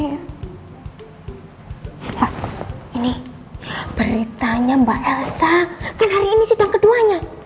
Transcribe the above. pak ini beritanya mbak elsa kan hari ini sidang keduanya